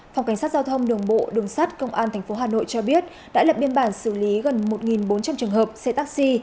phòng cảnh sát giao thông đường bộ đường sát công an tp hà nội cho biết đã lập biên bản xử lý gần một bốn trăm linh trường hợp xe taxi